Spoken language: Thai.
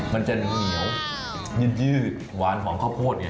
มันจะเหนียวยืดยืดหวานหวานข้อโป้ดเนี่ย